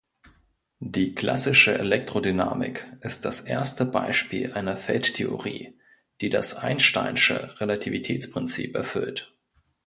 Die klassische Elektrodynamik ist das erste Beispiel einer Feldtheorie, die das einsteinsche Relativitätsprinzip erfüllt.